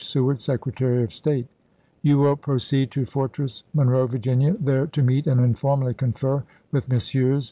Seward, Secretary of State : You will proceed to Fortress Monroe, Virginia, there to meet and informally confer with Messrs.